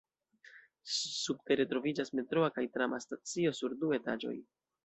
Subtere troviĝas metroa kaj trama stacio sur du etaĝoj.